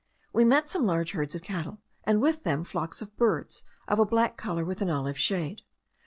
We met some large herds of cattle, and with them flocks of birds of a black colour with an olive shade.